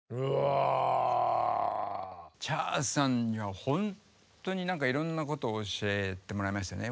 Ｃｈａｒさんにはほんとにいろんなことを教えてもらいましたね。